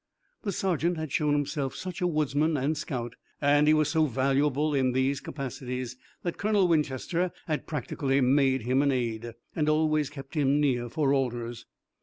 The sergeant had shown himself such a woodsman and scout, and he was so valuable in these capacities that Colonel Winchester had practically made him an aide, and always kept him near for orders.